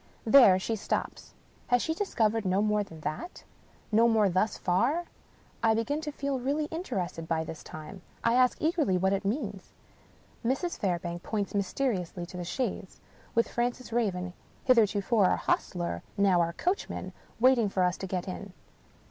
There she stops. Has she discovered no more than that ? No more thus far. I begin to feel really interested by this time. I ask eagerly what it means ? Mrs. Fairbank points mysteriously to the chaise — ^with Francis Raven (hitherto our hostler, now our coachman) waiting for us to get in.